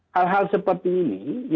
hal hal seperti ini